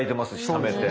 ためて。